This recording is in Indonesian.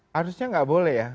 harusnya gak boleh ya